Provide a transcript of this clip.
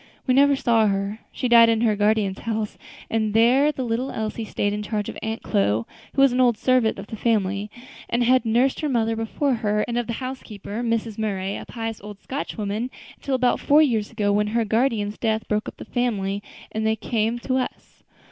We never saw her; she died in her guardian's house, and there the little Elsie stayed in charge of Aunt Chloe, who was an old servant in the family, and had nursed her mother before her, and of the housekeeper, Mrs. Murray, a pious old Scotch woman, until about four years ago, when her guardian's death broke up the family, and then they came to us.